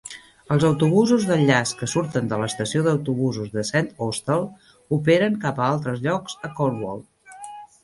Els autobusos d'enllaç que surten de l'estació d'autobusos de Saint Austell operen cap a altres lloc a Cornwall.